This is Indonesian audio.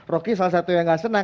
rocky salah satu yang tidak senang